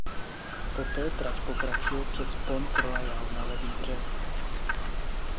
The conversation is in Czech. Poté trať pokračuje přes Pont Royal na levý břeh.